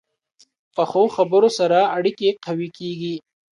پخو خبرو سره اړیکې قوي کېږي